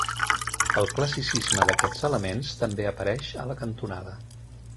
El classicisme d'aquests elements també apareix a la cantonada.